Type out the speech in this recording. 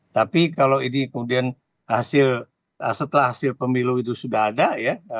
tapi kalau ini kemudian hasil setelah hasil pemilu itu sudah ada ya